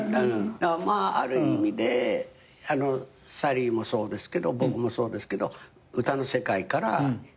まあある意味でサリーもそうですけど僕もそうですけど歌の世界から転身した。